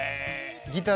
ギター